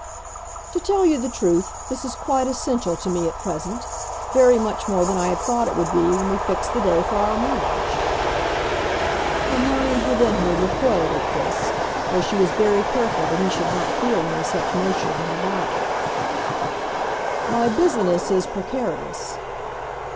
"To tell you the truth, this is quite essential to me at present, very much more than I had thought it would be when we fixed the day for our marriage." Her mind within her recoiled at this, though she was very careful that he should not feel any such motion in her body. "My business is precarious."